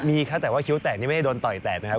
มีครับแต่ว่าคิ้วแตกนี่ไม่ได้โดนต่อยแตกนะครับ